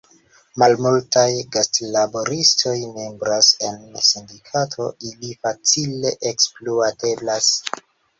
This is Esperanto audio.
Malmultaj gastlaboristoj membras en sindikato; ili facile ekspluateblas.